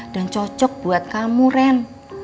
dan cocok buat kamu ren